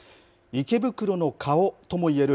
池袋の顔とも言える